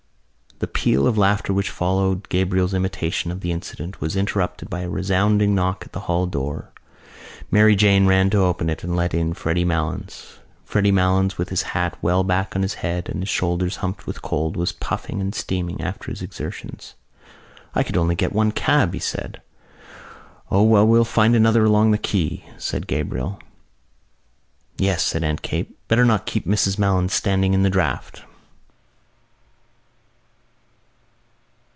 '" The peal of laughter which followed Gabriel's imitation of the incident was interrupted by a resounding knock at the hall door. Mary Jane ran to open it and let in Freddy Malins. Freddy Malins, with his hat well back on his head and his shoulders humped with cold, was puffing and steaming after his exertions. "I could only get one cab," he said. "O, we'll find another along the quay," said Gabriel. "Yes," said Aunt Kate. "Better not keep Mrs Malins standing in the draught."